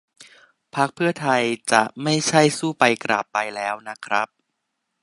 พรรคเพื่อไทยจะไม่ใช่สู้ไปกราบไปแล้วนะครับ